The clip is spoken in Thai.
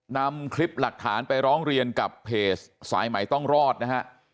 นำคลิปหลักฐานไปร้องเรียนกับเพจสายใหม่ต้องรอดนะฮะ